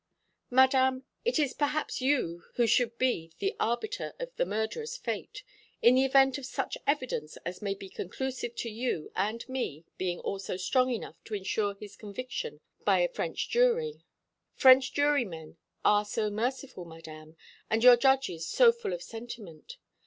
"Madame, it is perhaps you who should be the arbiter of the murderer's fate; in the event of such evidence as may be conclusive to you and me being also strong enough to insure his conviction by a French jury. French jurymen are so merciful, Madame, and your judges so full of sentiment.